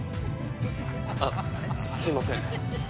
あっすいません。